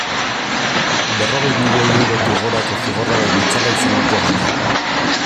Berrogei milioi eurotik gorako zigorraren itzala izan dute gainean.